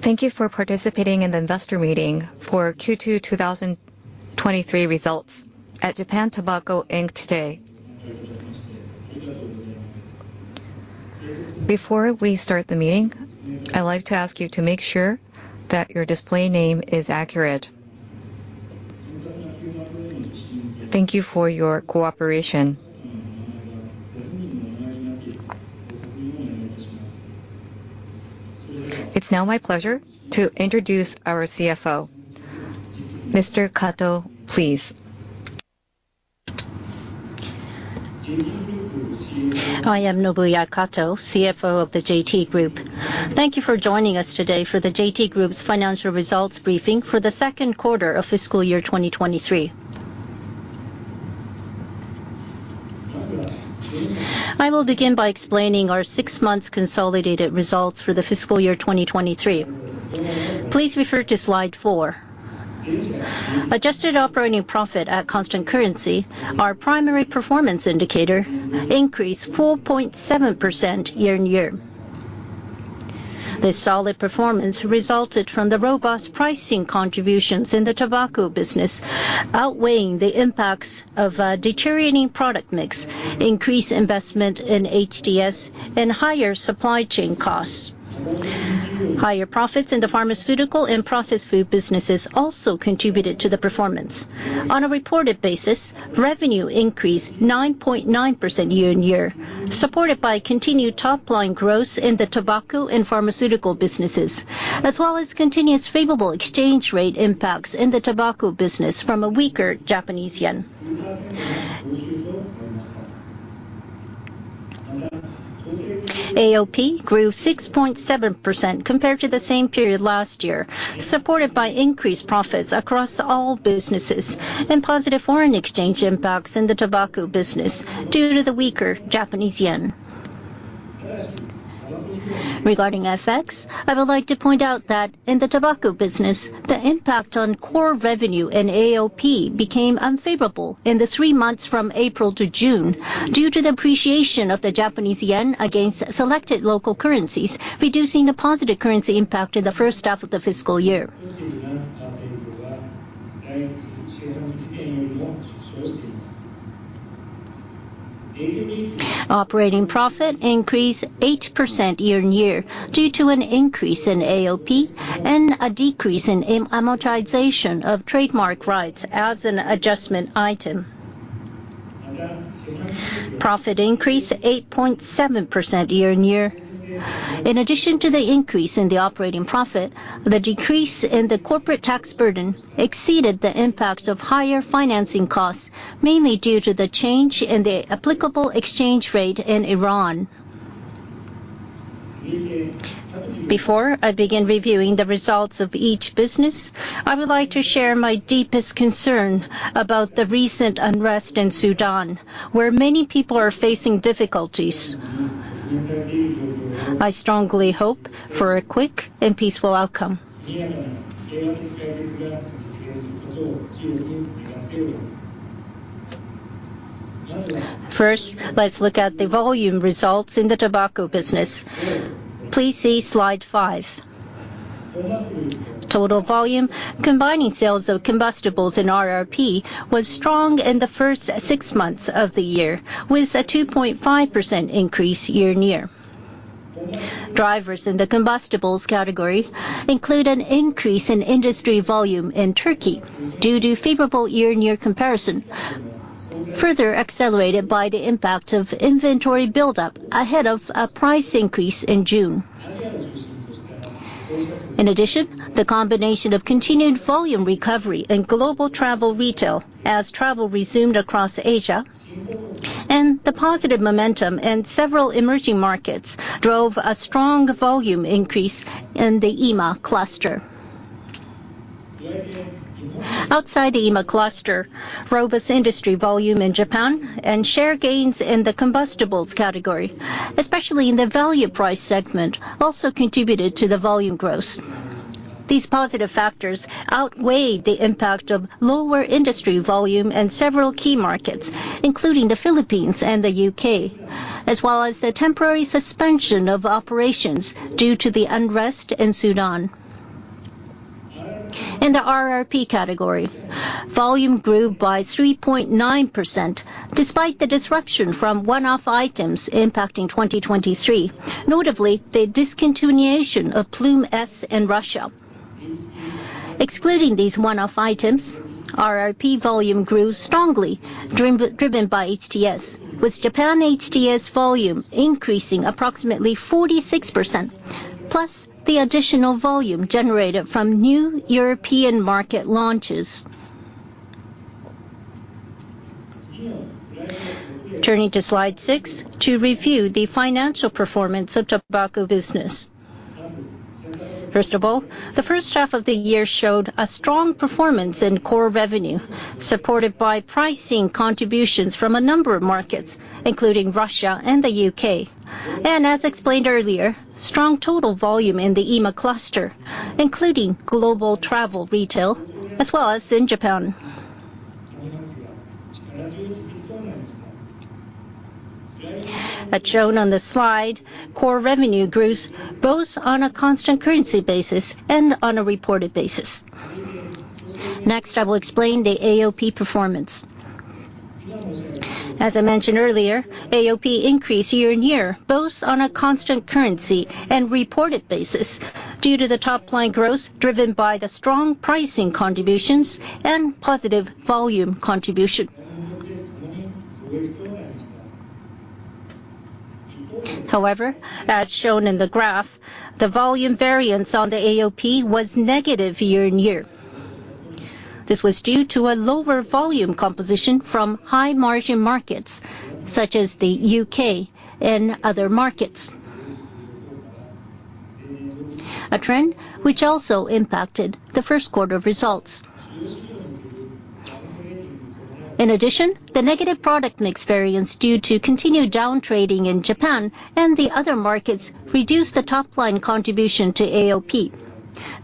lumThank you for participating in the investor meeting for Q2 2023 results at Japan Tobacco Inc. today. Before we start the meeting, I'd like to ask you to make sure that your display name is accurate. Thank you for your cooperation. It's now my pleasure to introduce our CFO, Mr. Kato, please. I am Nobuya Kato, CFO of the JT Group. Thank you for joining us today for the JT Group's financial results briefing for the second quarter of fiscal year 2023. I will begin by explaining our months consolidated results for the fiscal year 2023. Please refer to slide Four. Adjusted operating profit at constant currency, our primary performance indicator, increased 4.7% year-on-year. This solid performance resulted from the robust pricing contributions in the tobacco business, outweighing the impacts of deteriorating product mix, increased investment in HTS, and higher supply chain costs. Higher profits in the pharmaceutical and processed food businesses also contributed to the performance. On a reported basis, revenue increased 9.9% year-on-year, supported by continued top-line growth in the tobacco and pharmaceutical businesses, as well as continuous favorable exchange rate impacts in the tobacco business from a weaker Japanese yen. AOP grew 6.7% compared to the same period last year, supported by increased profits across all businesses and positive foreign exchange impacts in the tobacco business due to the weaker Japanese yen. Regarding FX, I would like to point out that in the tobacco business, the impact on core revenue and AOP became unfavorable in the three months from April to June due to the appreciation of the Japanese yen against selected local currencies, reducing the positive currency impact in the first half of the fiscal year. Operating profit increased 8% year-on-year due to an increase in AOP and a decrease in amortization of trademark rights as an adjustment item. Profit increased 8.7% year-on-year. In addition to the increase in the operating profit, the decrease in the corporate tax burden exceeded the impact of higher financing costs, mainly due to the change in the applicable exchange rate in Iran. Before I begin reviewing the results of each business, I would like to share my deepest concern about the recent unrest in Sudan, where many people are facing difficulties. I strongly hope for a quick and peaceful outcome. First, let's look at the volume results in the tobacco business. Please see slide Five. Total volume, combining sales of combustibles and RRP, was strong in the first six months of the year, with a 2.5% increase year-on-year. Drivers in the combustibles category include an increase in industry volume in Turkey due to favorable year-on-year comparison, further accelerated by the impact of inventory buildup ahead of a price increase in June. In addition, the combination of continued volume recovery and global travel retail as travel resumed across Asia, and the positive momentum in several emerging markets drove a strong volume increase in the EMA cluster. Outside the EMA cluster, robust industry volume in Japan and share gains in the combustibles category, especially in the value price segment, also contributed to the volume growth. These positive factors outweighed the impact of lower industry volume in several key markets, including the Philippines and the UK, as well as the temporary suspension of operations due to the unrest in Sudan. In the RRP category, volume grew by 3.9%, despite the disruption from one-off items impacting 2023, notably the discontinuation of Ploom S in Russia. Excluding these one-off items, RRP volume grew strongly, driven, driven by HTS, with Japan HTS volume increasing approximately 46%, plus the additional volume generated from new European market launches. Turning to slide Six to review the financial performance of tobacco business. First of all, the first half of the year showed a strong performance in core revenue, supported by pricing contributions from a number of markets, including Russia and the UK, and as explained earlier, strong total volume in the EMA cluster, including global travel retail, as well as in Japan. As shown on the slide, core revenue grows both on a constant currency basis and on a reported basis. Next, I will explain the AOP performance. As I mentioned earlier, AOP increased year-on-year, both on a constant currency and reported basis, due to the top line growth, driven by the strong pricing contributions and positive volume contribution. As shown in the graph, the volume variance on the AOP was negative year-on-year. This was due to a lower volume composition from high-margin markets, such as the U.K. and other markets, a trend which also impacted the first quarter results. In addition, the negative product mix variance due to continued down trading in Japan and the other markets reduced the top line contribution to AOP.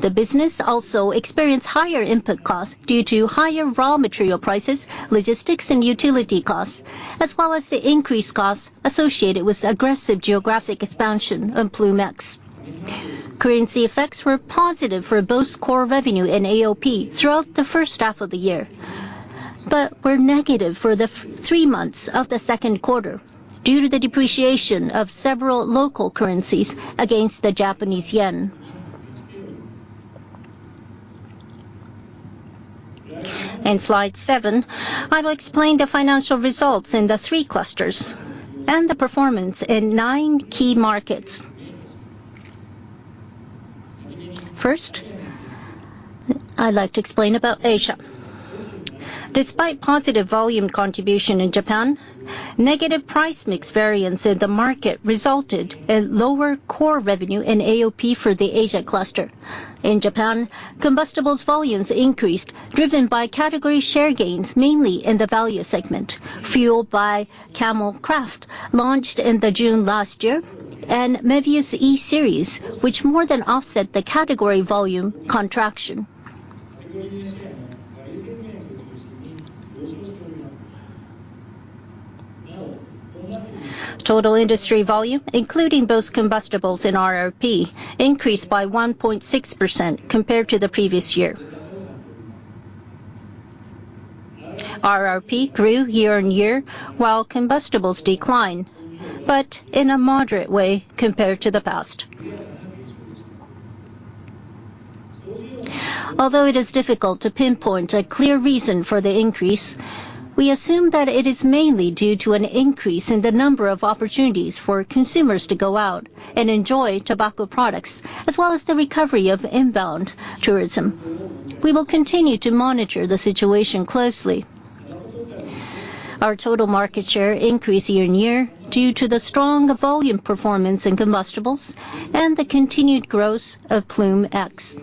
The business also experienced higher input costs due to higher raw material prices, logistics, and utility costs, as well as the increased costs associated with aggressive geographic expansion of Ploom X. Currency effects were positive for both core revenue and AOP throughout the first half of the year, but were negative for the 3 months of the second quarter due to the depreciation of several local currencies against the Japanese yen. In slide Seven, I will explain the financial results in the 3 clusters and the performance in 9 key markets. First, I'd like to explain about Asia. Despite positive volume contribution in Japan, negative price mix variance in the market resulted in lower core revenue in AOP for the Asia cluster. In Japan, combustibles volumes increased, driven by category share gains, mainly in the value segment, fueled by Camel Craft, launched in the June last year, and Mevius E-series, which more than offset the category volume contraction. Total industry volume, including both combustibles and RRP, increased by 1.6% compared to the previous year. RRP grew year-on-year, while combustibles declined in a moderate way compared to the past. Although it is difficult to pinpoint a clear reason for the increase, we assume that it is mainly due to an increase in the number of opportunities for consumers to go out and enjoy tobacco products, as well as the recovery of inbound tourism. We will continue to monitor the situation closely. Our total market share increased year-on-year due to the strong volume performance in combustibles and the continued growth of Ploom X.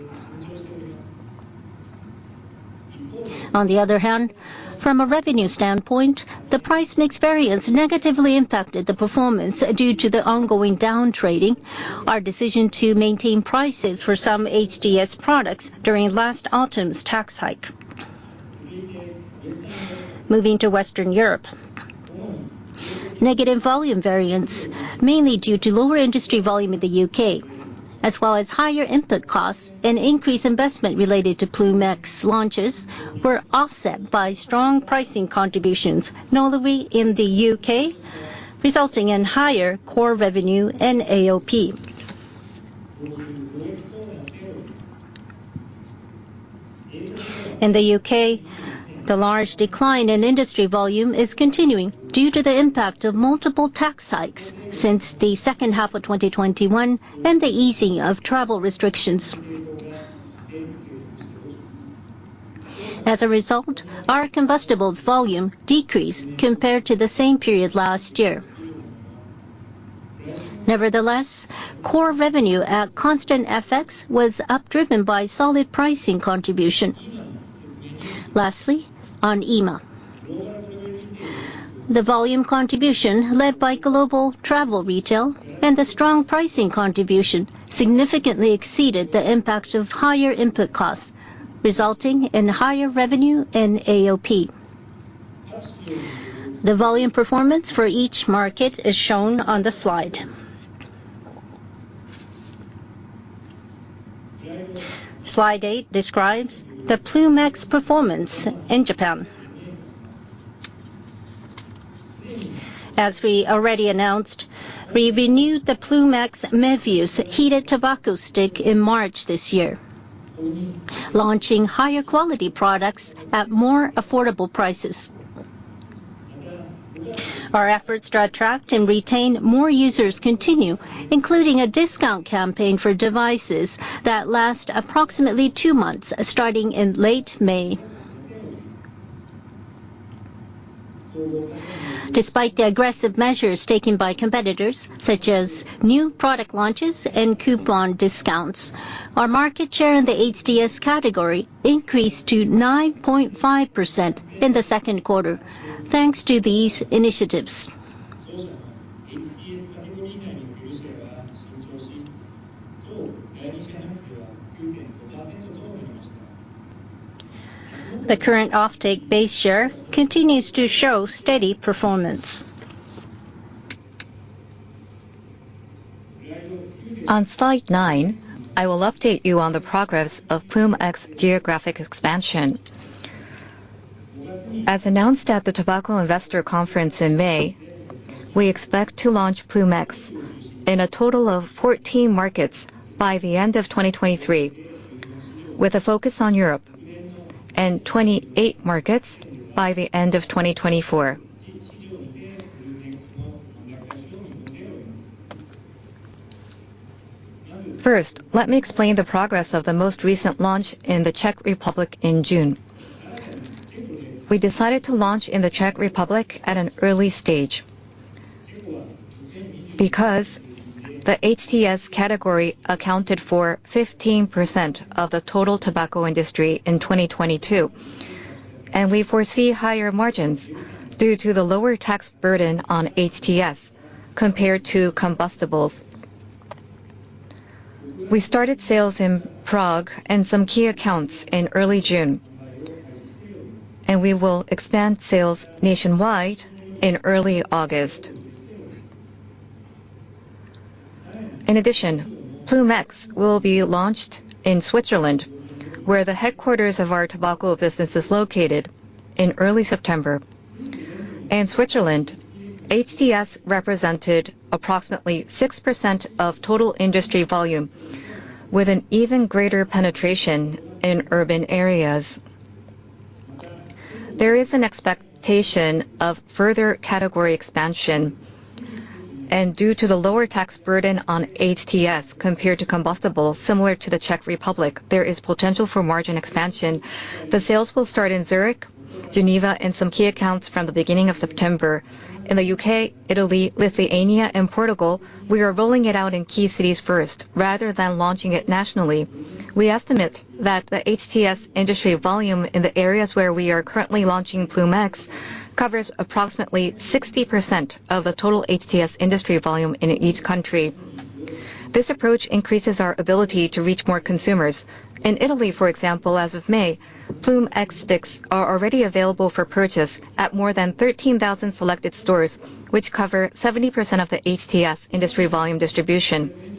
From a revenue standpoint, the price mix variance negatively impacted the performance due to the ongoing down trading, our decision to maintain prices for some HTS products during last autumn's tax hike. Moving to Western Europe, negative volume variance, mainly due to lower industry volume in the UK, as well as higher input costs and increased investment related to Ploom X launches, were offset by strong pricing contributions, notably in the UK, resulting in higher core revenue and AOP. In the UK, the large decline in industry volume is continuing due to the impact of multiple tax hikes since the second half of 2021 and the easing of travel restrictions. As a result, our combustibles volume decreased compared to the same period last year. Nevertheless, core revenue at constant FX was up, driven by solid pricing contribution. Lastly, on EMA, the volume contribution, led by global travel retail and the strong pricing contribution, significantly exceeded the impact of higher input costs, resulting in higher revenue and AOP. The volume performance for each market is shown on the slide. Slide eight describes the Ploom X performance in Japan. As we already announced, we renewed the Ploom X Mevius heated tobacco stick in March this year, launching higher quality products at more affordable prices. Our efforts to attract and retain more users continue, including a discount campaign for devices that last approximately two months, starting in late May. Despite the aggressive measures taken by competitors, such as new product launches and coupon discounts, our market share in the HTS category increased to 9.5% in the second quarter, thanks to these initiatives. The current offtake base share continues to show steady performance. On slide 9, I will update you on the progress of Ploom X geographic expansion. As announced at the Tobacco Investor Conference in May, we expect to launch Ploom X in a total of 14 markets by the end of 2023, with a focus on Europe, and 28 markets by the end of 2024. First, let me explain the progress of the most recent launch in the Czech Republic in June. We decided to launch in the Czech Republic at an early stage, because the HTS category accounted for 15% of the total tobacco industry in 2022, and we foresee higher margins due to the lower tax burden on HTS compared to combustibles. We started sales in Prague and some key accounts in early June, and we will expand sales nationwide in early August. Ploom X will be launched in Switzerland, where the headquarters of our tobacco business is located in early September. In Switzerland, HTS represented approximately 6% of total industry volume, with an even greater penetration in urban areas. There is an expectation of further category expansion, and due to the lower tax burden on HTS compared to combustibles, similar to the Czech Republic, there is potential for margin expansion. The sales will start in Zurich, Geneva, and some key accounts from the beginning of September. In the UK, Italy, Lithuania, and Portugal, we are rolling it out in key cities first, rather than launching it nationally. We estimate that the HTS industry volume in the areas where we are currently launching Ploom X covers approximately 60% of the total HTS industry volume in each country. This approach increases our ability to reach more consumers. In Italy, for example, as of May, Ploom X sticks are already available for purchase at more than 13,000 selected stores, which cover 70% of the HTS industry volume distribution.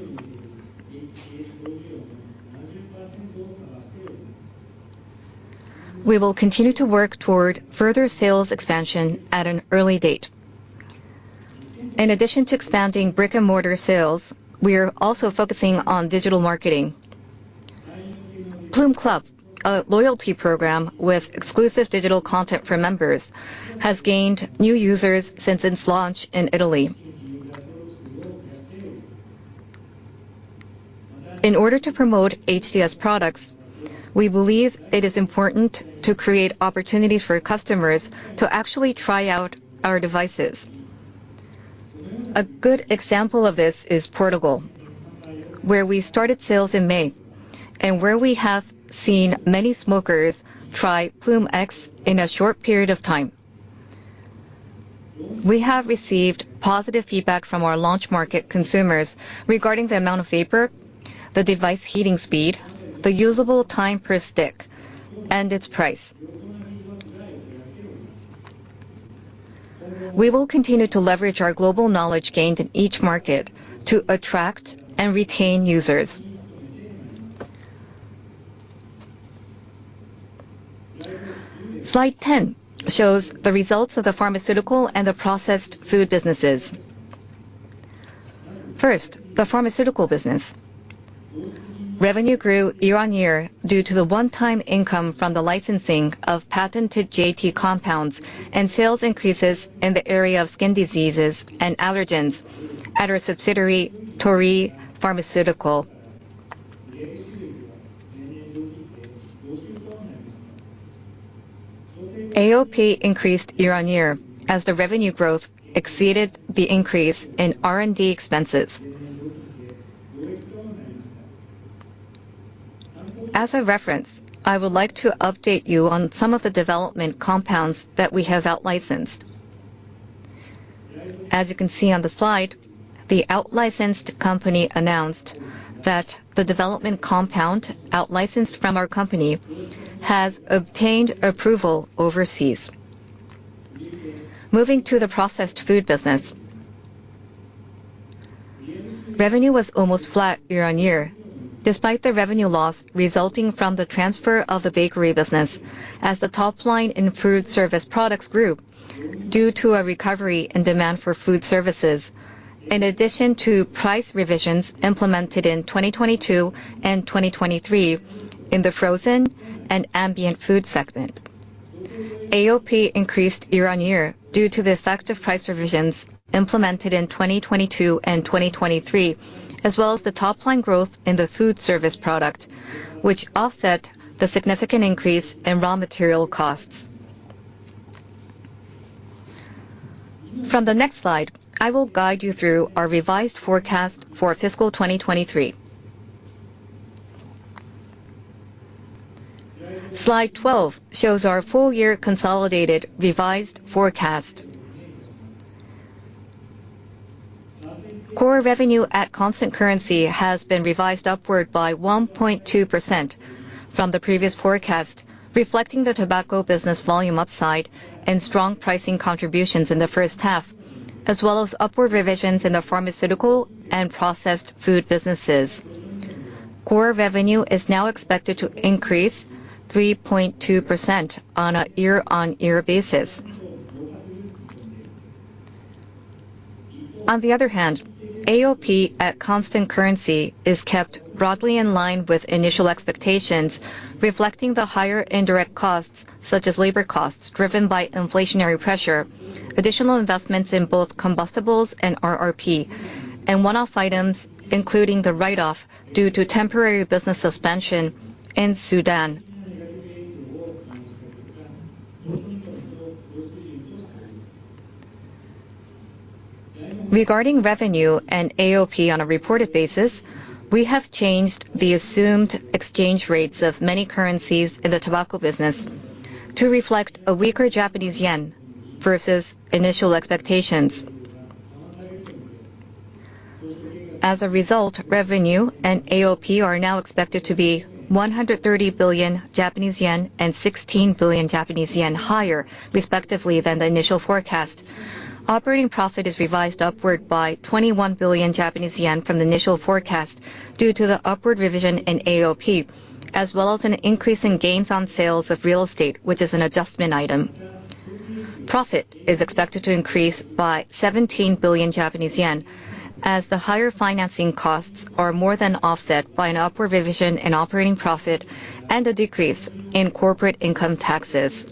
We will continue to work toward further sales expansion at an early date. In addition to expanding brick-and-mortar sales, we are also focusing on digital marketing. Ploom Club, a loyalty program with exclusive digital content for members, has gained new users since its launch in Italy. In order to promote HTS products, we believe it is important to create opportunities for customers to actually try out our devices. A good example of this is Portugal, where we started sales in May and where we have seen many smokers try Ploom X in a short period of time. We have received positive feedback from our launch market consumers regarding the amount of vapor, the device heating speed, the usable time per stick, and its price. We will continue to leverage our global knowledge gained in each market to attract and retain users. Slide 10 shows the results of the pharmaceutical and the processed food businesses. First, the pharmaceutical business. Revenue grew year-over-year due to the one-time income from the licensing of patented JT compounds and sales increases in the area of skin diseases and allergens at our subsidiary, Torii Pharmaceutical. AOP increased year-over-year as the revenue growth exceeded the increase in R&D expenses. As a reference, I would like to update you on some of the development compounds that we have outlicensed. As you can see on the slide, the outlicensed company announced that the development compound outlicensed from our company has obtained approval overseas. Moving to the processed food business, revenue was almost flat year-on-year, despite the revenue loss resulting from the transfer of the bakery business as the top line in food service products grew due to a recovery in demand for food services, in addition to price revisions implemented in 2022 and 2023 in the frozen and ambient food segment. AOP increased year-on-year due to the effect of price revisions implemented in 2022 and 2023, as well as the top line growth in the food service product, which offset the significant increase in raw material costs. From the next slide, I will guide you through our revised forecast for fiscal 2023. Slide 12 shows our full year consolidated revised forecast.... Core revenue at constant currency has been revised upward by 1.2% from the previous forecast, reflecting the tobacco business volume upside and strong pricing contributions in the first half, as well as upward revisions in the pharmaceutical and processed food businesses. Core revenue is now expected to increase 3.2% on a year-on-year basis. On the other hand, AOP at constant currency is kept broadly in line with initial expectations, reflecting the higher indirect costs, such as labor costs, driven by inflationary pressure, additional investments in both combustibles and RRP, and one-off items, including the write-off due to temporary business suspension in Sudan. Regarding revenue and AOP on a reported basis, we have changed the assumed exchange rates of many currencies in the tobacco business to reflect a weaker Japanese yen versus initial expectations. As a result, revenue and AOP are now expected to be 130 billion Japanese yen and 16 billion Japanese yen higher, respectively, than the initial forecast. Operating profit is revised upward by 21 billion Japanese yen from the initial forecast due to the upward revision in AOP, as well as an increase in gains on sales of real estate, which is an adjustment item. Profit is expected to increase by 17 billion Japanese yen, as the higher financing costs are more than offset by an upward revision in operating profit and a decrease in corporate income taxes.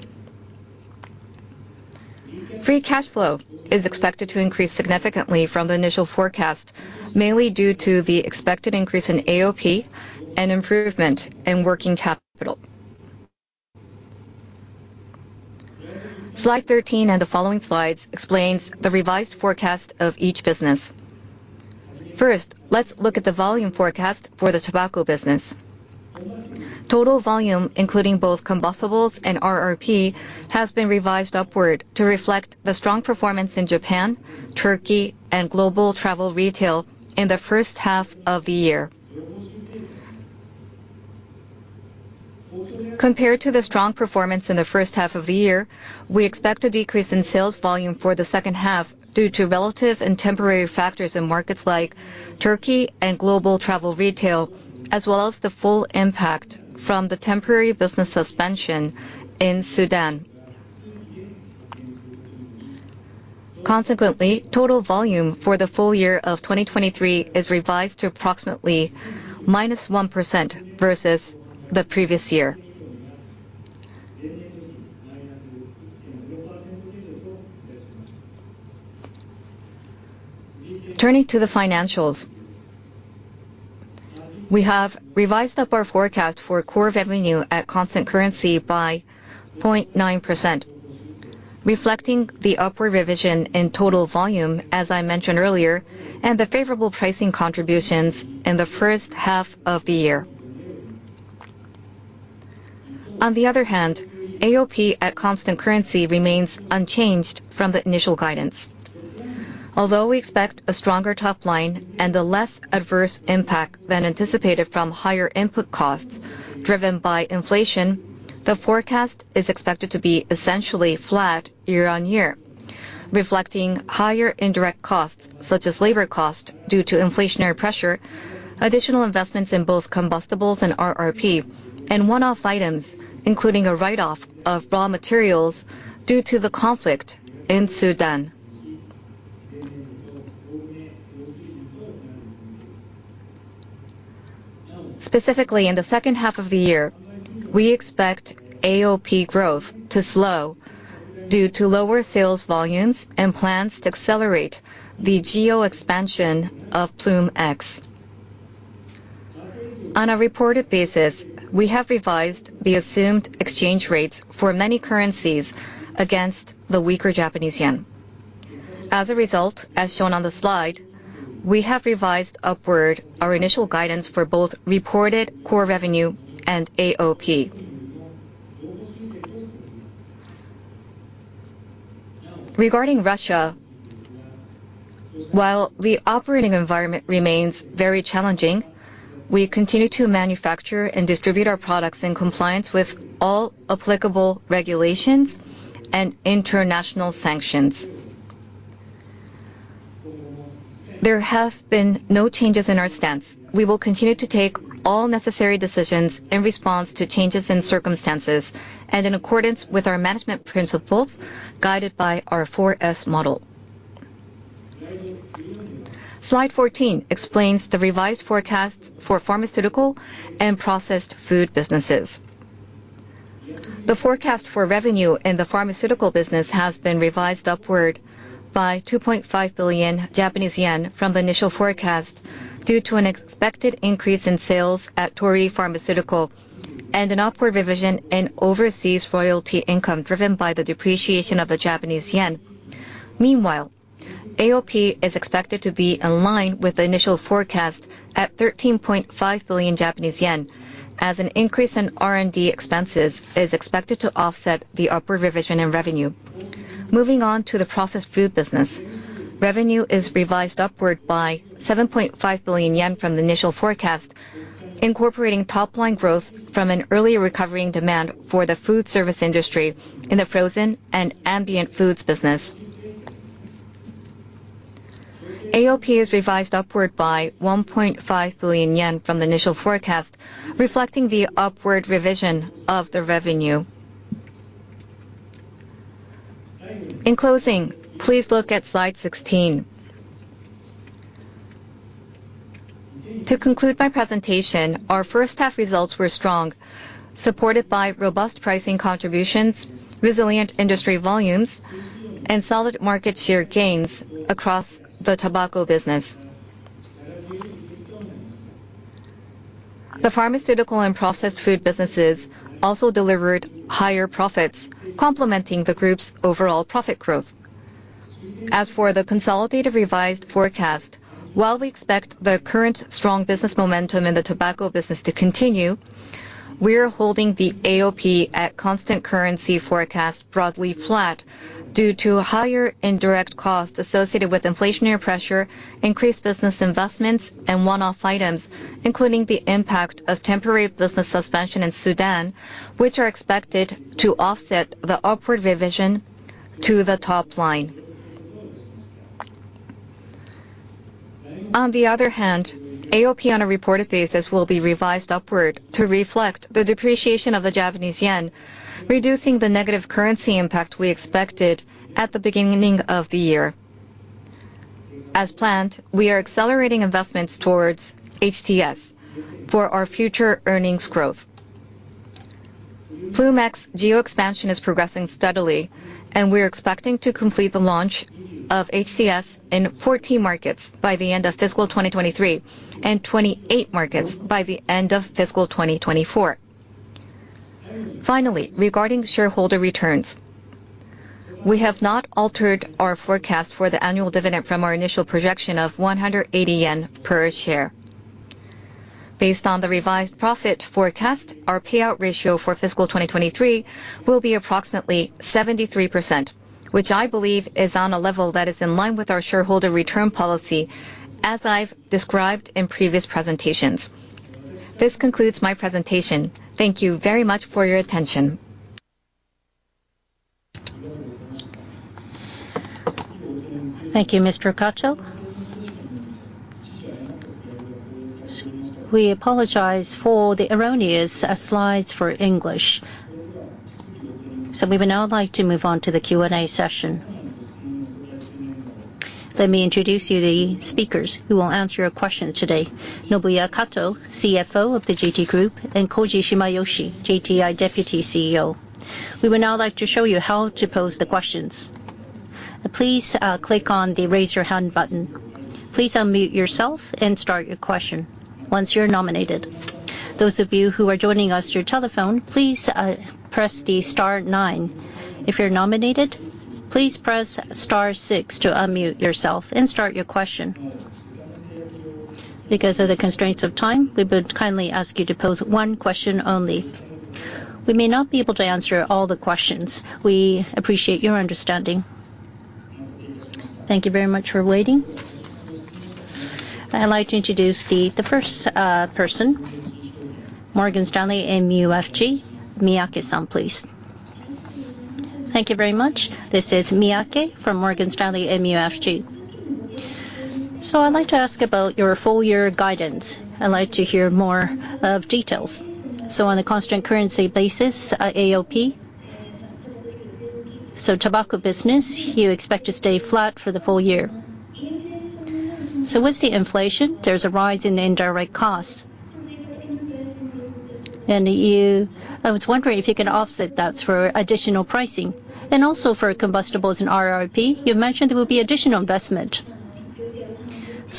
Free cash flow is expected to increase significantly from the initial forecast, mainly due to the expected increase in AOP and improvement in working capital. Slide 13, the following slides, explains the revised forecast of each business. First, let's look at the volume forecast for the tobacco business. Total volume, including both combustibles and RRP, has been revised upward to reflect the strong performance in Japan, Turkey, and global travel retail in the first half of the year. Compared to the strong performance in the first half of the year, we expect a decrease in sales volume for the second half due to relative and temporary factors in markets like Turkey and global travel retail, as well as the full impact from the temporary business suspension in Sudan. Consequently, total volume for the full year of 2023 is revised to approximately -1% versus the previous year. Turning to the financials, we have revised up our forecast for core revenue at constant currency by 0.9%, reflecting the upward revision in total volume, as I mentioned earlier, and the favorable pricing contributions in the first half of the year. On the other hand, AOP at constant currency remains unchanged from the initial guidance. Although we expect a stronger top line and a less adverse impact than anticipated from higher input costs driven by inflation, the forecast is expected to be essentially flat year-on-year, reflecting higher indirect costs, such as labor cost, due to inflationary pressure, additional investments in both combustibles and RRP, and one-off items, including a write-off of raw materials due to the conflict in Sudan. Specifically, in the second half of the year, we expect AOP growth to slow due to lower sales volumes and plans to accelerate the geo expansion of Ploom X. On a reported basis, we have revised the assumed exchange rates for many currencies against the weaker Japanese yen. As a result, as shown on the slide, we have revised upward our initial guidance for both reported core revenue and AOP. Regarding Russia, while the operating environment remains very challenging, we continue to manufacture and distribute our products in compliance with all applicable regulations and international sanctions. There have been no changes in our stance. We will continue to take all necessary decisions in response to changes in circumstances and in accordance with our management principles, guided by our 4S model. Slide 14 explains the revised forecasts for pharmaceutical and processed food businesses. The forecast for revenue in the pharmaceutical business has been revised upward by 2.5 billion Japanese yen from the initial forecast due to an expected increase in sales at Torii Pharmaceutical and an upward revision in overseas royalty income driven by the depreciation of the Japanese yen. Meanwhile, AOP is expected to be in line with the initial forecast at 13.5 billion Japanese yen, as an increase in R&D expenses is expected to offset the upward revision in revenue. Moving on to the processed food business. Revenue is revised upward by 7.5 billion yen from the initial forecast, incorporating top line growth from an earlier recovering demand for the food service industry in the frozen and ambient foods business. AOP is revised upward by 1.5 billion yen from the initial forecast, reflecting the upward revision of the revenue. In closing, please look at slide 16. To conclude my presentation, our first half results were strong, supported by robust pricing contributions, resilient industry volumes, and solid market share gains across the tobacco business. The pharmaceutical and processed food businesses also delivered higher profits, complementing the group's overall profit growth. As for the consolidated revised forecast, while we expect the current strong business momentum in the tobacco business to continue, we are holding the AOP at constant currency forecast broadly flat due to higher indirect costs associated with inflationary pressure, increased business investments, and one-off items, including the impact of temporary business suspension in Sudan, which are expected to offset the upward revision to the top line. On the other hand, AOP, on a reported basis, will be revised upward to reflect the depreciation of the Japanese yen, reducing the negative currency impact we expected at the beginning of the year. As planned, we are accelerating investments towards HTS for our future earnings growth. ploom X geo expansion is progressing steadily, and we are expecting to complete the launch of HTS in 14 markets by the end of fiscal 2023 and 28 markets by the end of fiscal 2024. Finally, regarding shareholder returns, we have not altered our forecast for the annual dividend from our initial projection of 180 yen per share. Based on the revised profit forecast, our payout ratio for fiscal 2023 will be approximately 73%, which I believe is on a level that is in line with our shareholder return policy, as I've described in previous presentations. This concludes my presentation. Thank you very much for your attention. Thank you, Mr. Kato. We apologize for the erroneous, slides for English. We would now like to move on to the Q&A session. Let me introduce you the speakers who will answer your question today. Nobuya Kato, CFO of the JT Group, and Koji Shimayoshi, JTI Deputy CEO. We would now like to show you how to pose the questions. Please, click on the Raise Your Hand button. Please unmute yourself and start your question once you're nominated. Those of you who are joining us through telephone, please, press the star 9. If you're nominated, please press star 6 to unmute yourself and start your question. Because of the constraints of time, we would kindly ask you to pose one question only. We may not be able to answer all the questions. We appreciate your understanding. Thank you very much for waiting. I'd like to introduce the, the first person, Morgan Stanley MUFG, Miyake-san, please. Thank you very much. This is Miyake from Morgan Stanley MUFG. I'd like to ask about your full year guidance. I'd like to hear more of details. On a constant currency basis, AOP, so tobacco business, you expect to stay flat for the full year. With the inflation, there's a rise in the indirect cost, and I was wondering if you can offset that for additional pricing? Also for combustibles in RRP, you mentioned there will be additional investment.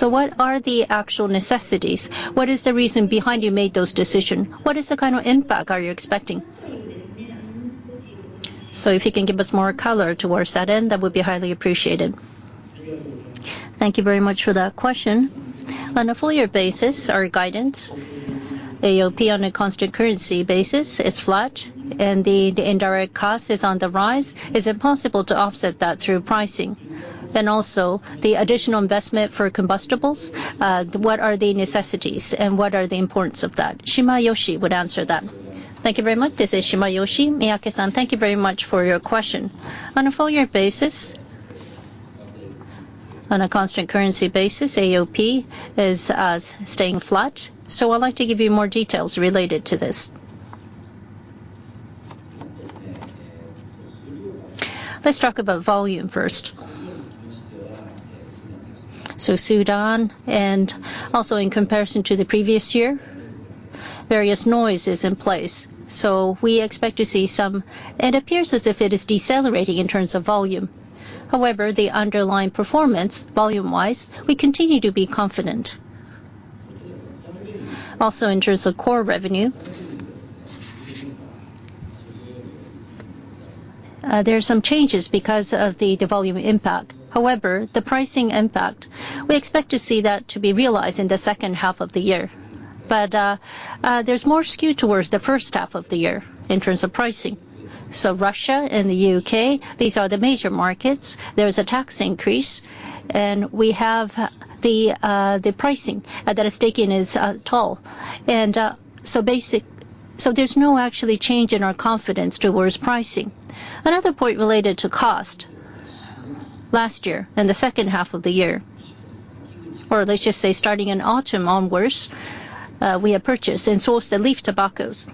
What are the actual necessities? What is the reason behind you made those decision? What is the kind of impact are you expecting? If you can give us more color towards that end, that would be highly appreciated. Thank you very much for that question. On a full year basis, our guidance, AOP on a constant currency basis, is flat, and the, the indirect cost is on the rise. It's impossible to offset that through pricing. Also, the additional investment for combustibles, what are the necessities and what are the importance of that? Shimayoshi would answer that. Thank you very much. This is Shimayoshi. Miyake-san, thank you very much for your question. On a full year basis, on a constant currency basis, AOP is staying flat, so I'd like to give you more details related to this. Let's talk about volume first. Sudan, and also in comparison to the previous year, various noise is in place, so we expect to see some-- It appears as if it is decelerating in terms of volume. However, the underlying performance, volume-wise, we continue to be confident. Also, in terms of core revenue, there are some changes because of the, the volume impact. However, the pricing impact, we expect to see that to be realized in the second half of the year. There's more skew towards the first half of the year in terms of pricing. Russia and the UK, these are the major markets. There is a tax increase, and we have the, the pricing, that is taking its, toll. There's no actually change in our confidence towards pricing. Another point related to cost, last year, in the second half of the year, or let's just say starting in autumn onwards, we have purchased and sourced the leaf tobaccos.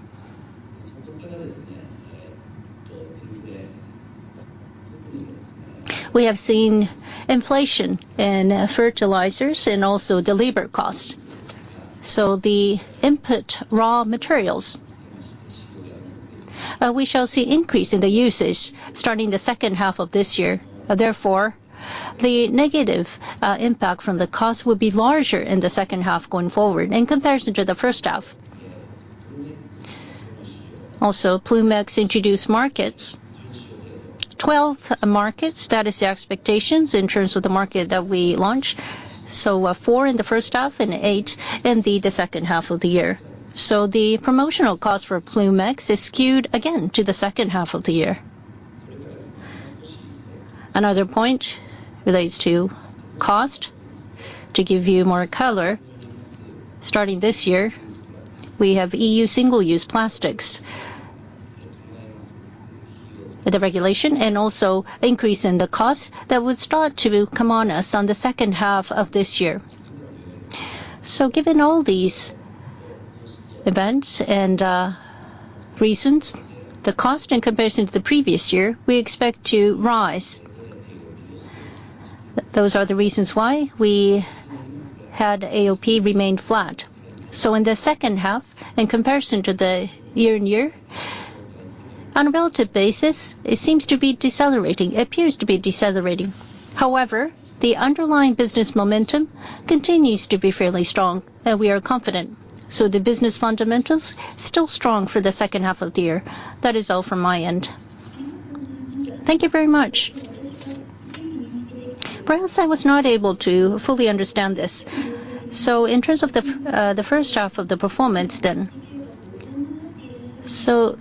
We have seen inflation in, fertilizers and also the labor cost. The input raw materials, we shall see increase in the usage starting the second half of this year. Therefore, the negative, impact from the cost will be larger in the second half going forward in comparison to the first half. Ploom X introduce markets. 12 markets, that is the expectations in terms of the market that we launch, so, four in the first half and eight in the second half of the year. The promotional cost for Ploom X is skewed again to the second half of the year. Another point relates to cost. To give you more color, starting this year, we have Single-Use Plastics Directive, the regulation and also increase in the cost that would start to come on us on the second half of this year. Given all these events and reasons, the cost in comparison to the previous year, we expect to rise. Those are the reasons why we had AOP remained flat. In the second half, in comparison to the year-and-year, on a relative basis, it seems to be decelerating. It appears to be decelerating. However, the underlying business momentum continues to be fairly strong, and we are confident, so the business fundamentals still strong for the second half of the year. That is all from my end. Thank you very much. Perhaps I was not able to fully understand this. In terms of the first half of the performance then, so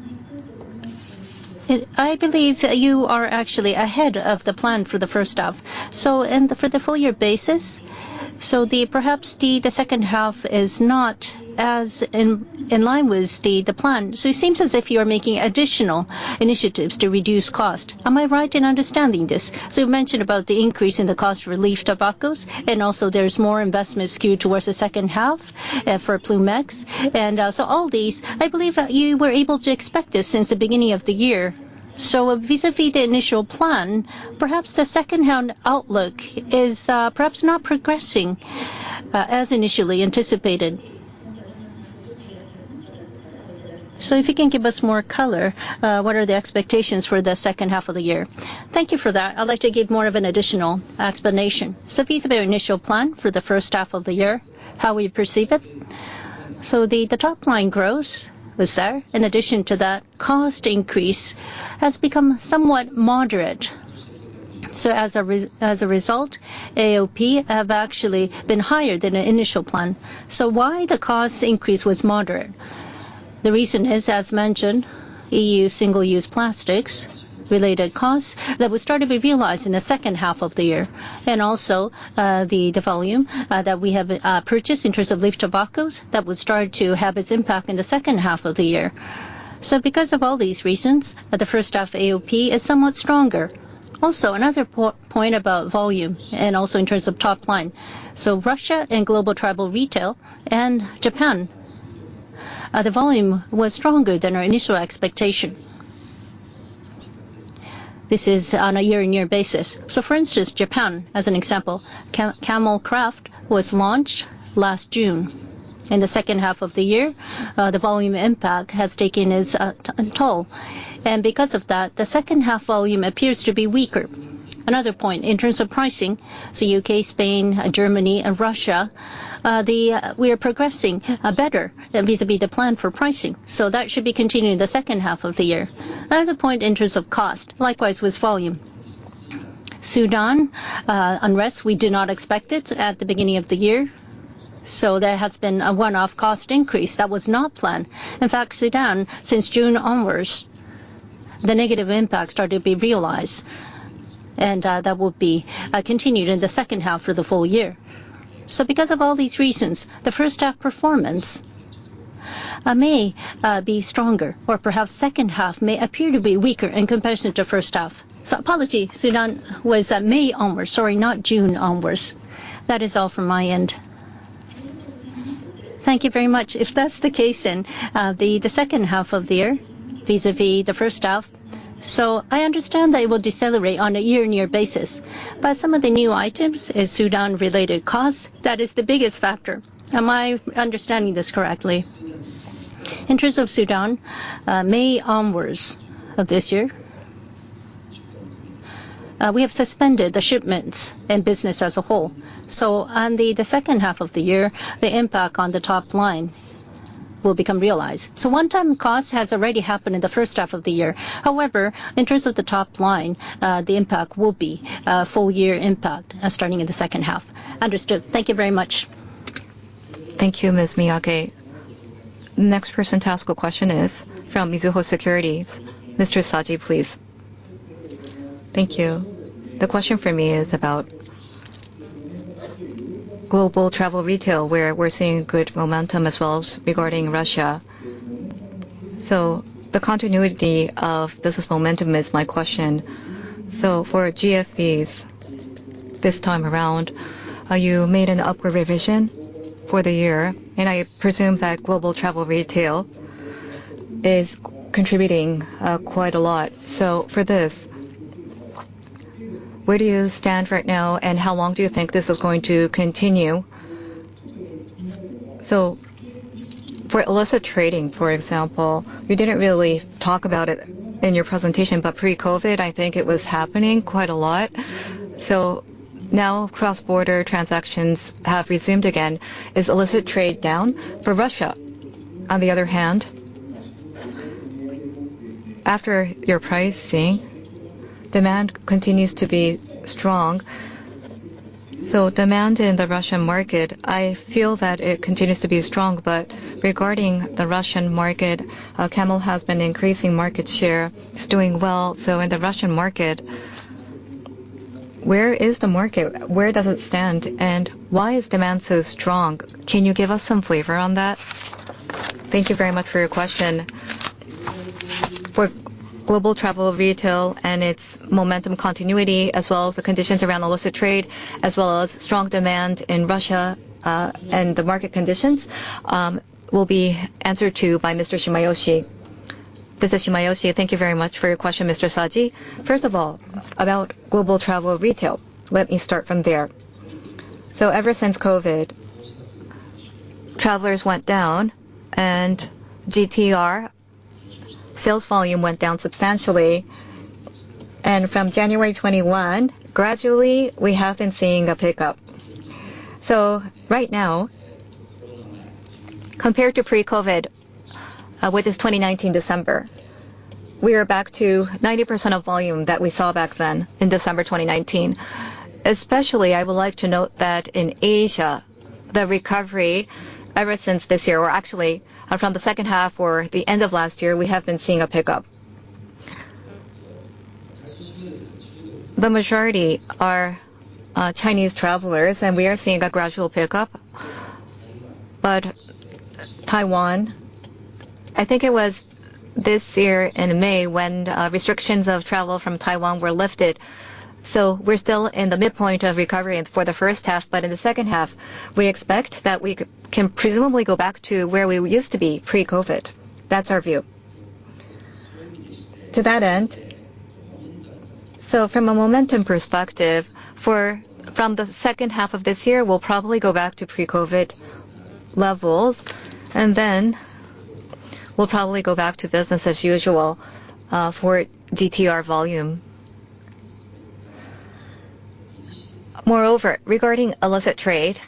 I, I believe you are actually ahead of the plan for the first half. And for the full year basis, so the, perhaps the, the second half is not as in, in line with the, the plan. It seems as if you are making additional initiatives to reduce cost. Am I right in understanding this? You mentioned about the increase in the cost of leaf tobaccos, and also there's more investment skewed towards the second half for Ploom X. So all these, I believe that you were able to expect this since the beginning of the year. Vis-a-vis the initial plan, perhaps the second half outlook is perhaps not progressing as initially anticipated. If you can give us more color, what are the expectations for the second half of the year? Thank you for that. I'd like to give more of an additional explanation. Vis-a-vis our initial plan for the first half of the year, how we perceive it, the top line growth was there. In addition to that, cost increase has become somewhat moderate. As a result, AOP have actually been higher than the initial plan. Why the cost increase was moderate? The reason is, as mentioned, Single-Use Plastics Directive related costs that will start to be realized in the second half of the year, and also, the volume that we have purchased in terms of leaf tobaccos, that will start to have its impact in the second half of the year. Because of all these reasons, the first half AOP is somewhat stronger. Also, another point about volume and also in terms of top line, Russia and Global Travel Retail and Japan, the volume was stronger than our initial expectation. This is on a year-on-year basis. For instance, Japan, as an example, Camel Craft was launched last June. In the second half of the year, the volume impact has taken its toll, and because of that, the second half volume appears to be weaker. Another point, in terms of pricing, U.K., Spain, Germany and Russia, we are progressing better than vis-a-vis the plan for pricing, so that should be continuing in the second half of the year. Another point in terms of cost, likewise, with volume. Sudan unrest, we did not expect it at the beginning of the year, so there has been a one-off cost increase that was not planned. In fact, Sudan, since June onwards, the negative impact started to be realized, and that will be continued in the second half for the full year. Because of all these reasons, the first half performance may be stronger, or perhaps second half may appear to be weaker in comparison to first half. Apology, Sudan was May onwards, sorry, not June onwards. That is all from my end. Thank you very much. If that's the case, then the second half of the year, vis-a-vis the first half, I understand that it will decelerate on a year-on-year basis. Some of the new items is Sudan-related costs, that is the biggest factor. Am I understanding this correctly? In terms of Sudan, May onwards of this year, we have suspended the shipments and business as a whole. On the second half of the year, the impact on the top line-... will become realized. One-time cost has already happened in the first half of the year. However, in terms of the top line, the impact will be a full year impact, starting in the second half. Understood. Thank you very much. Thank you, Mr. Miyake. Next person to ask a question is from Mizuho Securities. Mr. Saji, please. Thank you. The question for me is about global travel retail, where we're seeing good momentum as well as regarding Russia. The continuity of business momentum is my question. For GFBs, this time around, you made an upward revision for the year, and I presume that global travel retail is contributing quite a lot. For this, where do you stand right now, and how long do you think this is going to continue? For illicit trading, for example, you didn't really talk about it in your presentation, but pre-COVID, I think it was happening quite a lot. Now cross-border transactions have resumed again. Is illicit trade down? Russia, on the other hand, after your pricing, demand continues to be strong. Demand in the Russian market, I feel that it continues to be strong. Regarding the Russian market, Camel has been increasing market share. It's doing well. In the Russian market, where is the market? Where does it stand, and why is demand so strong? Can you give us some flavor on that? Thank you very much for your question. For global travel retail and its momentum continuity, as well as the conditions around illicit trade, as well as strong demand in Russia, and the market conditions will be answered to by Mr. Shimayoshi. This is Shimayoshi. Thank you very much for your question, Mr. Saji. First of all, about global travel retail, let me start from there. Ever since COVID, travelers went down, and GTR sales volume went down substantially, and from January 2021, gradually, we have been seeing a pickup. Right now, compared to pre-COVID, which is December 2019, we are back to 90% of volume that we saw back then in December 2019. Especially, I would like to note that in Asia, the recovery ever since this year... Well, actually, from the second half or the end of last year, we have been seeing a pickup. The majority are Chinese travelers, and we are seeing a gradual pickup. Taiwan, I think it was this year in May, when restrictions of travel from Taiwan were lifted, so we're still in the midpoint of recovery and for the first half, but in the second half, we expect that we can presumably go back to where we used to be pre-COVID. That's our view. To that end, from a momentum perspective, from the 2nd half of this year, we'll probably go back to pre-COVID levels, and then we'll probably go back to business as usual for GTR volume. Moreover, regarding illicit trade,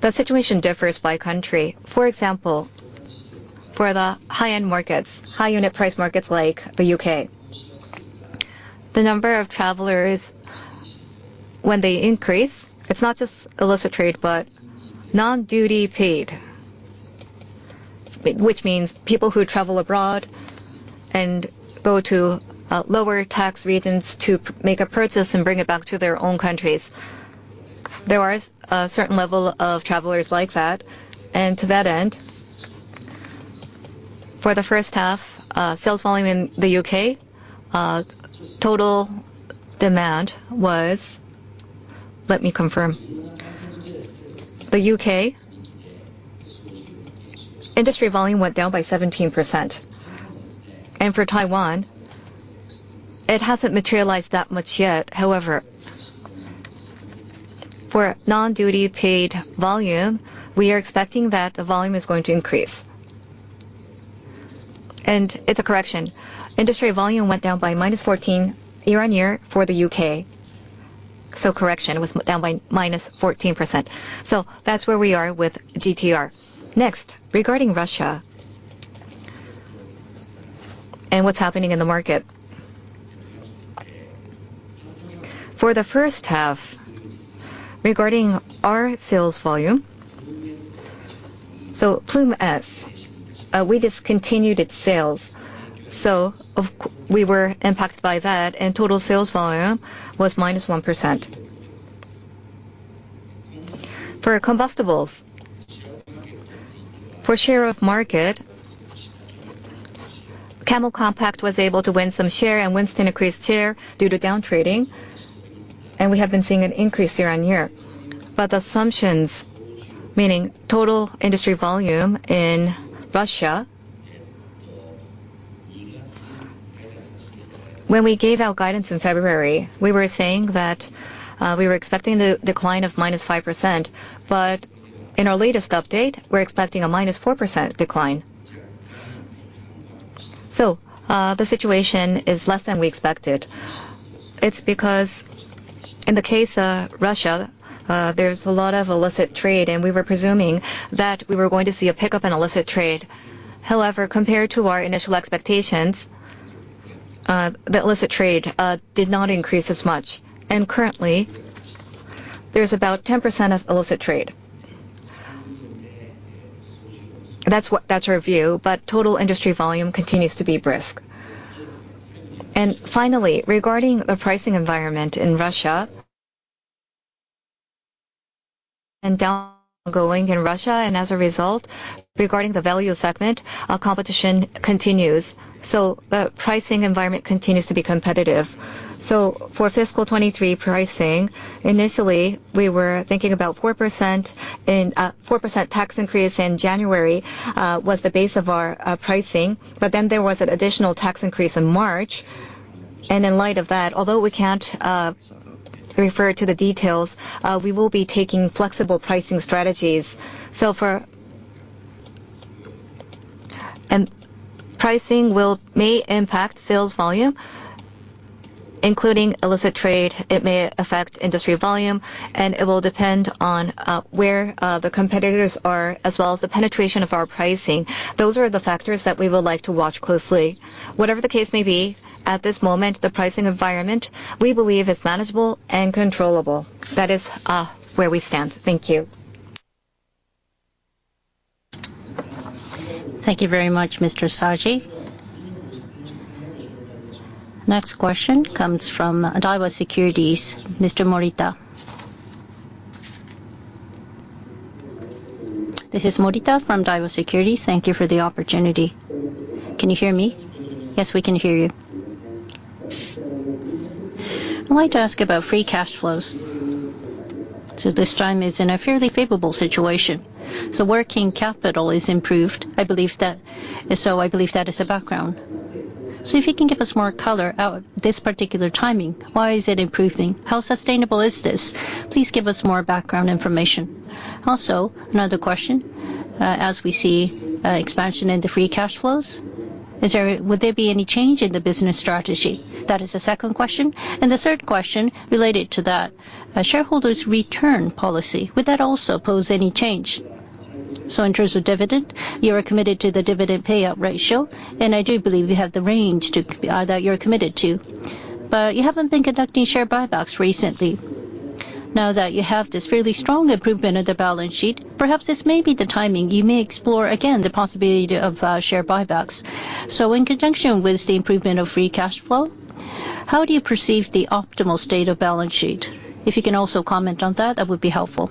the situation differs by country. For example, for the high-end markets, high unit price markets like the UK, the number of travelers when they increase, it's not just illicit trade, but non-duty paid, which means people who travel abroad and go to lower tax regions to make a purchase and bring it back to their own countries. There are a certain level of travelers like that, and to that end, for the 1st half, sales volume in the UK, total demand was... Let me confirm. The UK, industry volume went down by 17%, and for Taiwan, it hasn't materialized that much yet. However, for non-duty paid volume, we are expecting that the volume is going to increase. It's a correction. Industry volume went down by minus 14 year-on-year for the UK. Correction, it was down by minus 14%. That's where we are with GTR. Next, regarding Russia and what's happening in the market. For the first half, regarding our sales volume, Ploom S, we discontinued its sales, we were impacted by that, and total sales volume was minus 1%. For combustibles, for share of market, Camel Compact was able to win some share, and Winston increased share due to down trading, and we have been seeing an increase year-on-year. The assumptions, meaning total industry volume in Russia, when we gave our guidance in February, we were saying that we were expecting the decline of -5%, but in our latest update, we're expecting a -4% decline. The situation is less than we expected. It's because in the case of Russia, there's a lot of illicit trade, and we were presuming that we were going to see a pickup in illicit trade. However, compared to our initial expectations, the illicit trade did not increase as much, and currently, there's about 10% of illicit trade. That's our view. Total industry volume continues to be brisk. Finally, regarding the pricing environment in Russia. Ongoing in Russia, and as a result, regarding the value segment, our competition continues. The pricing environment continues to be competitive. For fiscal 23 pricing, initially, we were thinking about 4% in, 4% tax increase in January, was the base of our pricing, but then there was an additional tax increase in March. In light of that, although we can't, refer to the details, we will be taking flexible pricing strategies. Pricing will, may impact sales volume, including illicit trade. It may affect industry volume, and it will depend on where the competitors are, as well as the penetration of our pricing. Those are the factors that we would like to watch closely. Whatever the case may be, at this moment, the pricing environment, we believe, is manageable and controllable. That is, where we stand. Thank you. Thank you very much, Mr. Saji. Next question comes from Daiwa Securities, Mr. Morita. This is Morita from Daiwa Securities. Thank you for the opportunity. Can you hear me? Yes, we can hear you. I'd like to ask about free cash flows. This time is in a fairly favorable situation, so working capital is improved. I believe that... I believe that is a background. If you can give us more color on this particular timing, why is it improving? How sustainable is this? Please give us more background information. Another question, as we see expansion in the free cash flows, is there, would there be any change in the business strategy? That is the second question, and the third question related to that, shareholders' return policy, would that also pose any change? In terms of dividend, you are committed to the dividend payout ratio, and I do believe you have the range to, that you're committed to, but you haven't been conducting share buybacks recently. Now that you have this fairly strong improvement in the balance sheet, perhaps this may be the timing you may explore again the possibility of share buybacks. In conjunction with the improvement of free cash flow, how do you perceive the optimal state of balance sheet? If you can also comment on that, that would be helpful.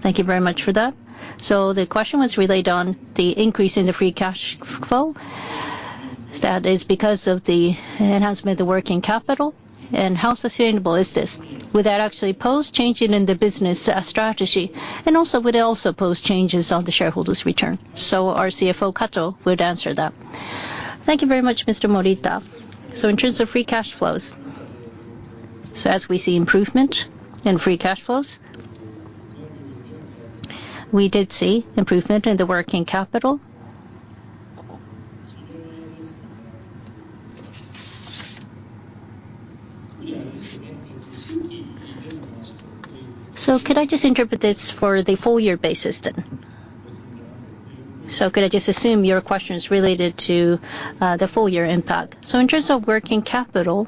Thank you very much for that. The question was related on the increase in the free cash flow. That is because of the enhancement, the working capital, and how sustainable is this? Would that actually pose changing in the business strategy, and also, would it also pose changes on the shareholders' return? Our CFO, Kato, would answer that. Thank you very much, Mr. Morita. In terms of free cash flows, as we see improvement in free cash flows, we did see improvement in the working capital. Could I just interpret this for the full year basis then? Could I just assume your question is related to the full year impact? In terms of working capital,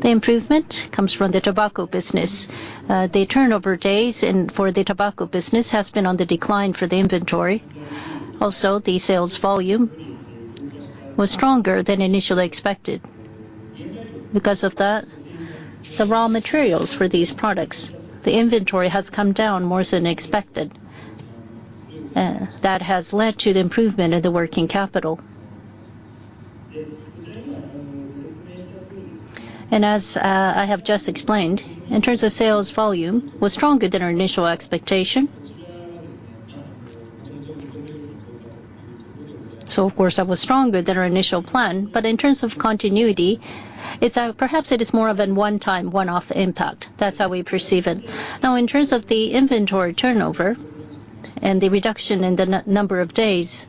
the improvement comes from the tobacco business. The turnover days and for the tobacco business has been on the decline for the inventory. The sales volume was stronger than initially expected. Because of that, the raw materials for these products, the inventory has come down more than expected, that has led to the improvement in the working capital. As I have just explained, in terms of sales volume, was stronger than our initial expectation. Of course, that was stronger than our initial plan, but in terms of continuity, it's, perhaps it is more of a one-time, one-off impact. That's how we perceive it. In terms of the inventory turnover and the reduction in the number of days,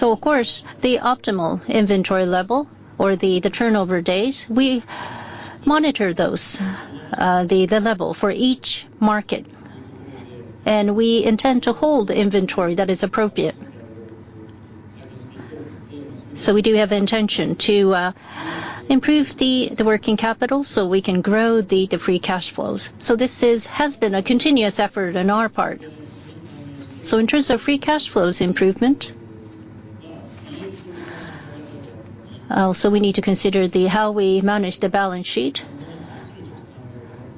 of course, the optimal inventory level or the turnover days, we monitor those, the level for each market, and we intend to hold inventory that is appropriate. We do have intention to improve the working capital, so we can grow the free cash flows. This is, has been a continuous effort on our part. In terms of free cash flows improvement, we need to consider how we manage the balance sheet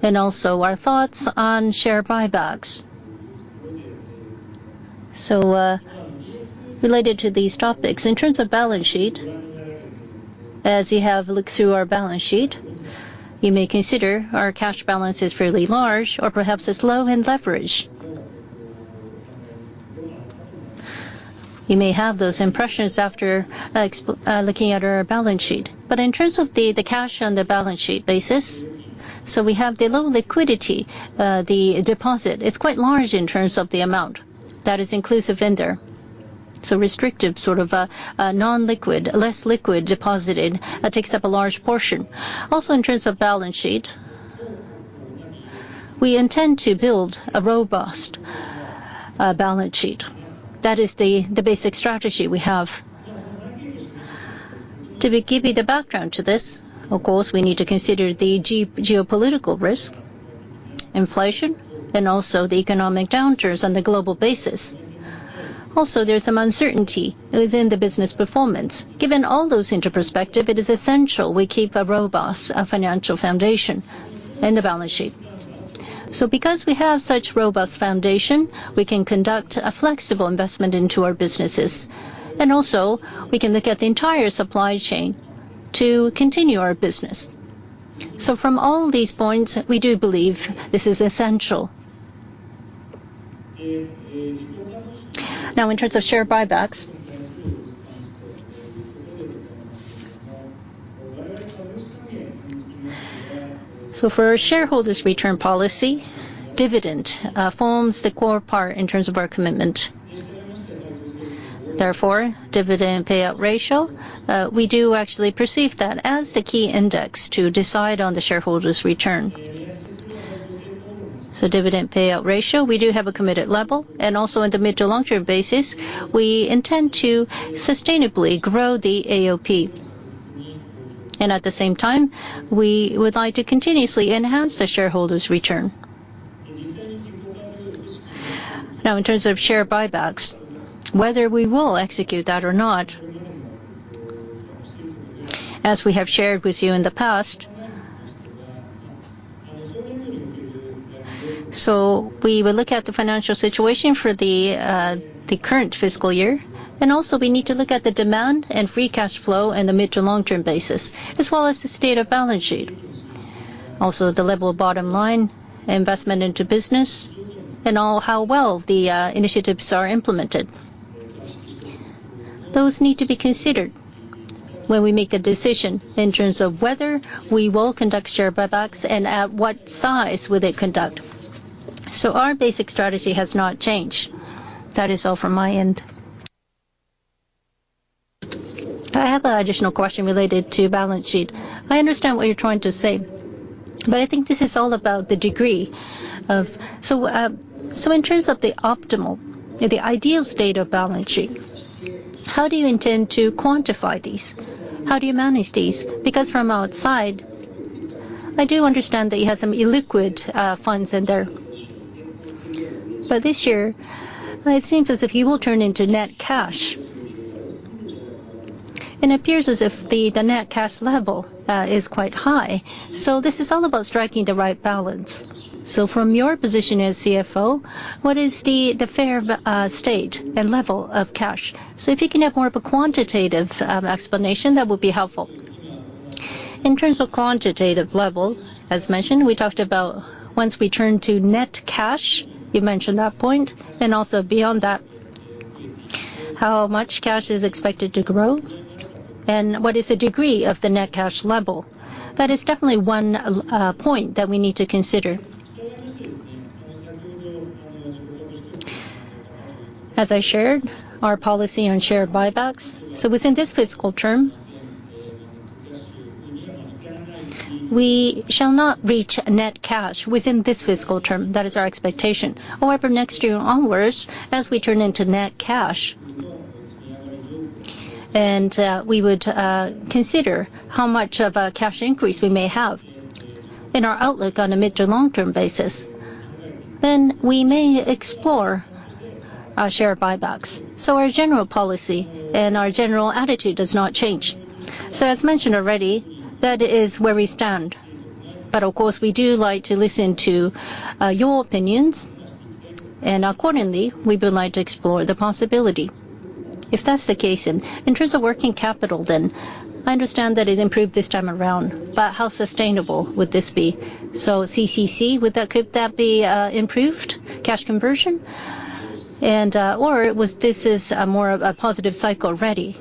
and also our thoughts on share buybacks. Related to these topics, in terms of balance sheet, as you have looked through our balance sheet, you may consider our cash balance is fairly large or perhaps is low in leverage. You may have those impressions after looking at our balance sheet. In terms of the cash on the balance sheet basis, so we have the low liquidity, the deposit. It's quite large in terms of the amount that is inclusive in there, so restrictive, sort of a, a non-liquid, less liquid deposited that takes up a large portion. Also, in terms of balance sheet, we intend to build a robust balance sheet. That is the basic strategy we have. To give you the background to this, of course, we need to consider the geopolitical risk, inflation, and also the economic downturns on the global basis. Also, there's some uncertainty within the business performance. Given all those into perspective, it is essential we keep a robust financial foundation in the balance sheet. Because we have such robust foundation, we can conduct a flexible investment into our businesses, and also we can look at the entire supply chain to continue our business. From all these points, we do believe this is essential. Now, in terms of share buybacks. For our shareholders' return policy, dividend forms the core part in terms of our commitment. Therefore, dividend payout ratio, we do actually perceive that as the key index to decide on the shareholders' return. Dividend payout ratio, we do have a committed level, and also in the mid to long-term basis, we intend to sustainably grow the AOP. At the same time, we would like to continuously enhance the shareholders' return. Now, in terms of share buybacks, whether we will execute that or not, as we have shared with you in the past. We will look at the financial situation for the current fiscal year, and also we need to look at the demand and free cash flow in the mid to long-term basis, as well as the state of balance sheet, also the level of bottom line, investment into business and all how well the initiatives are implemented. Those need to be considered when we make a decision in terms of whether we will conduct share buybacks and at what size will it conduct. Our basic strategy has not changed. That is all from my end. I have an additional question related to balance sheet. I understand what you're trying to say, but I think this is all about the degree of. In terms of the optimal or the ideal state of balance sheet, how do you intend to quantify these? How do you manage these? Because from outside, I do understand that you have some illiquid funds in there. This year, it seems as if you will turn into net cash. It appears as if the net cash level is quite high. This is all about striking the right balance. From your position as CFO, what is the fair state and level of cash? If you can have more of a quantitative explanation, that would be helpful. In terms of quantitative level, as mentioned, we talked about once we turn to net cash, you mentioned that point, and also beyond that, how much cash is expected to grow and what is the degree of the net cash level. That is definitely one point that we need to consider. As I shared, our policy on share buybacks, within this fiscal term, we shall not reach net cash within this fiscal term. That is our expectation. However, next year onwards, as we turn into net cash, and we would consider how much of a cash increase we may have in our outlook on a mid to long-term basis, then we may explore our share buybacks. Our general policy and our general attitude does not change. As mentioned already, that is where we stand. Of course, we do like to listen to your opinions, and accordingly, we would like to explore the possibility. If that's the case, then, in terms of working capital, then, I understand that it improved this time around, but how sustainable would this be? CCC, would that, could that be improved cash conversion? Or was this more of a positive cycle already?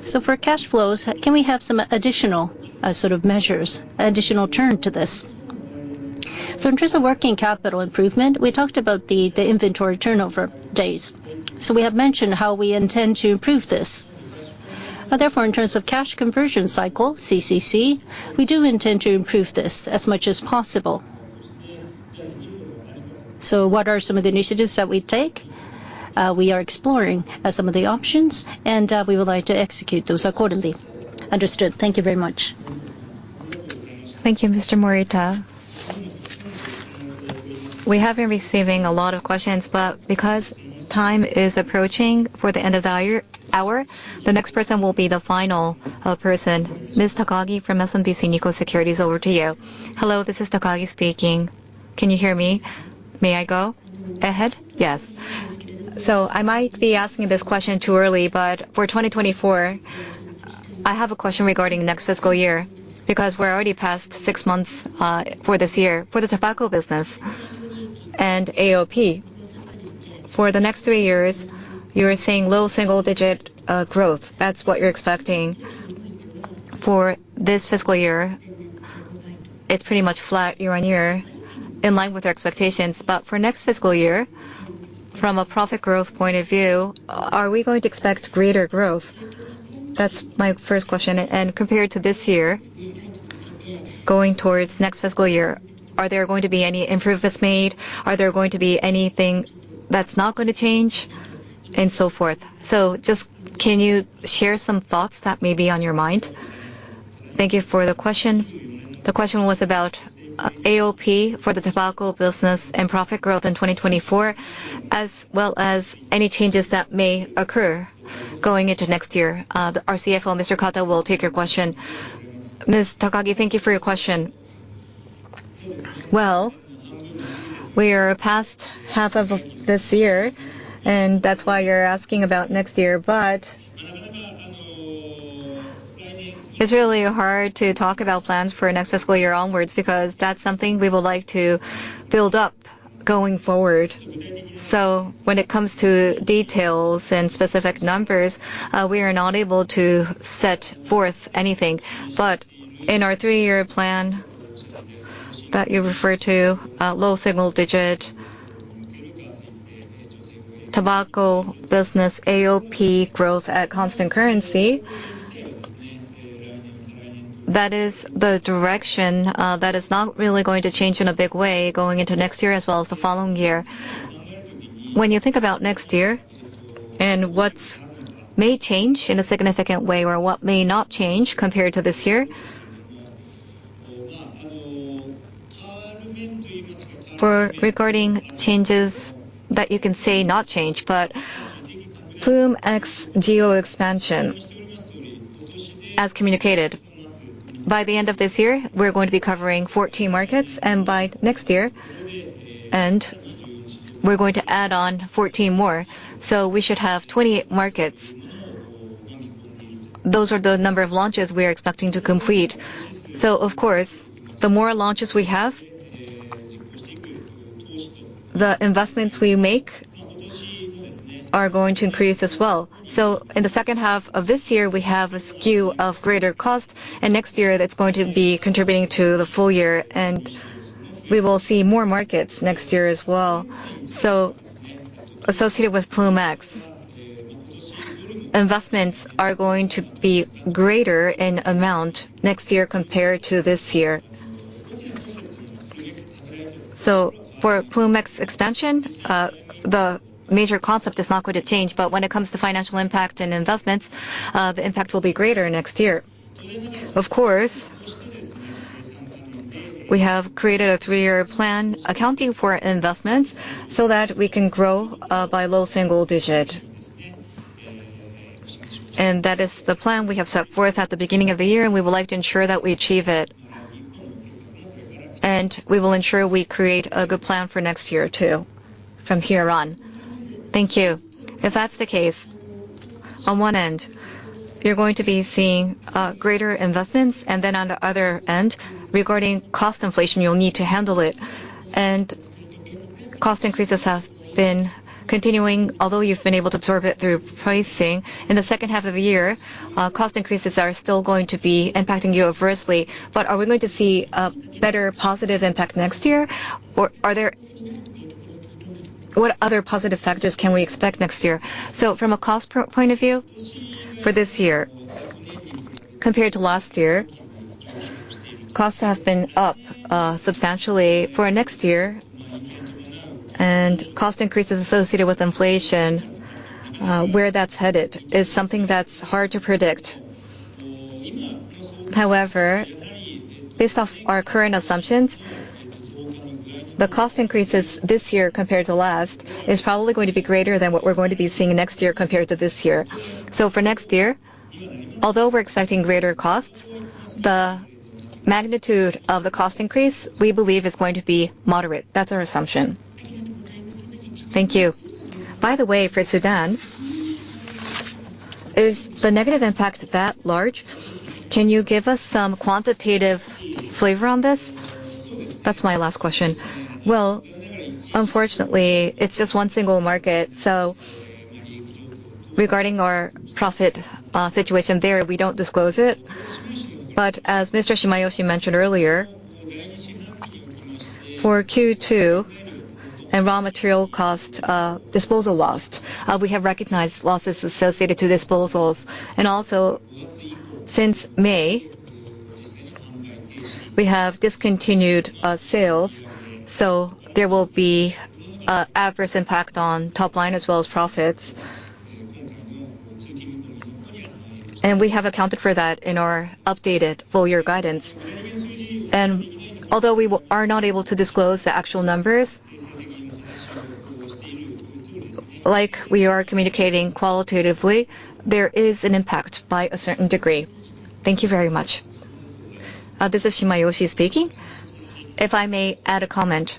For cash flows, can we have some additional, sort of measures, additional turn to this? In terms of working capital improvement, we talked about the inventory turnover days. We have mentioned how we intend to improve this. Therefore, in terms of cash conversion cycle, CCC, we do intend to improve this as much as possible. What are some of the initiatives that we take? We are exploring, some of the options, and we would like to execute those accordingly. Understood. Thank you very much. Thank you, Mr. Morita. We have been receiving a lot of questions, but because time is approaching for the end of the hour, the next person will be the final person. Ms. Takagi from SMBC Nikko Securities, over to you. Hello, this is Takagi speaking. Can you hear me? May I go ahead? Yes. I might be asking this question too early, but for 2024, I have a question regarding next fiscal year, because we're already past six months for this year. For the tobacco business and AOP, for the next three years, you are seeing low single-digit growth. That's what you're expecting. For this fiscal year, it's pretty much flat year-on-year, in line with our expectations. For next fiscal year, from a profit growth point of view, are we going to expect greater growth? That's my first question. Compared to this year, going towards next fiscal year, are there going to be any improvements made? Are there going to be anything that's not going to change and so forth? Just can you share some thoughts that may be on your mind? Thank you for the question. The question was about AOP for the tobacco business and profit growth in 2024, as well as any changes that may occur going into next year. Our CFO, Mr. Kato, will take your question. Ms. Takagi, thank you for your question. We are past half of this year, and that's why you're asking about next year. It's really hard to talk about plans for next fiscal year onwards, because that's something we would like to build up going forward. When it comes to details and specific numbers, we are not able to set forth anything. In our 3-year plan that you referred to, low single-digit tobacco business, AOP growth at constant currency, that is the direction, that is not really going to change in a big way going into next year as well as the following year. When you think about next year and what may change in a significant way or what may not change compared to this year, for regarding changes that you can say not change, Ploom X geo expansion, as communicated, by the end of this year, we're going to be covering 14 markets, and by next year, and we're going to add on 14 more. We should have 20 markets. Those are the number of launches we are expecting to complete. Of course, the more launches we have, the investments we make are going to increase as well. In the second half of this year, we have a SKU of greater cost, and next year, that's going to be contributing to the full year, and we will see more markets next year as well. Associated with Ploom X, investments are going to be greater in amount next year compared to this year. For Ploom X expansion, the major concept is not going to change, but when it comes to financial impact and investments, the impact will be greater next year. Of course, we have created a 3-year plan accounting for investments so that we can grow by low single-digit. That is the plan we have set forth at the beginning of the year, and we would like to ensure that we achieve it. We will ensure we create a good plan for next year, too, from here on. Thank you. If that's the case, on 1 end, you're going to be seeing greater investments, and then on the other end, regarding cost inflation, you'll need to handle it. Cost increases have been continuing, although you've been able to absorb it through pricing. In the 2nd half of the year, cost increases are still going to be impacting you adversely, but are we going to see a better positive impact next year? Or are there What other positive factors can we expect next year? From a cost point of view, for this year, compared to last year, costs have been up substantially. For next year, and cost increases associated with inflation, where that's headed is something that's hard to predict. However, based off our current assumptions, the cost increases this year compared to last is probably going to be greater than what we're going to be seeing next year compared to this year. For next year, although we're expecting greater costs, the magnitude of the cost increase, we believe, is going to be moderate. That's our assumption. Thank you. By the way, for Sudan, is the negative impact that large? Can you give us some quantitative flavor on this? That's my last question. Unfortunately, it's just one single market, so regarding our profit situation there, we don't disclose it. As Mr. Shimayoshi mentioned earlier, for Q2 and raw material cost, disposal loss, we have recognized losses associated to disposals, and also since May, we have discontinued sales, so there will be a adverse impact on top line as well as profits. We have accounted for that in our updated full year guidance. Although we are not able to disclose the actual numbers, like we are communicating qualitatively, there is an impact by a certain degree. Thank you very much. This is Shimayoshi speaking. If I may add a comment.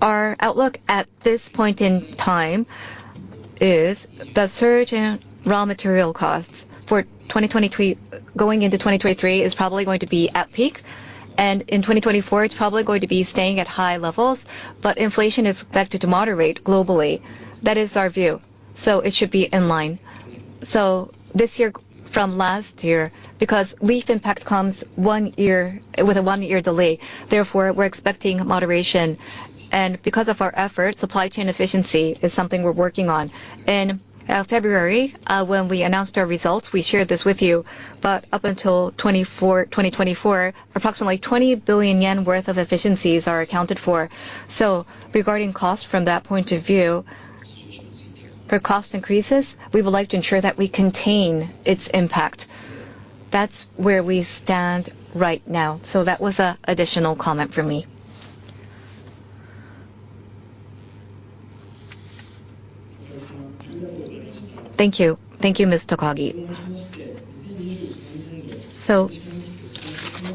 Our outlook at this point in time is the surge in raw material costs for 2022. Going into 2023 is probably going to be at peak, and in 2024, it's probably going to be staying at high levels, but inflation is expected to moderate globally. That is our view, it should be in line. This year from last year, because leaf impact comes with a one-year delay, therefore, we're expecting moderation. Because of our efforts, supply chain efficiency is something we're working on. In February, when we announced our results, we shared this with you, but up until 2024, approximately 20 billion yen worth of efficiencies are accounted for. Regarding cost from that point of view, for cost increases, we would like to ensure that we contain its impact. That's where we stand right now. That was a additional comment from me. Thank you. Thank you, Ms. Takagi.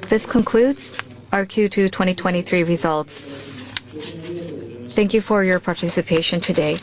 This concludes our Q2 2023 results. Thank you for your participation today.